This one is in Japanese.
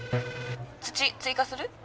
土追加する？